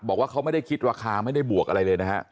บอกว่าเขาไม่ได้คิดราคาไม่ได้บวกอะไรเลยนะฮะ